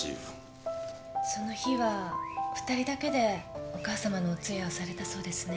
その日は２人だけでお義母さまのお通夜をされたそうですね。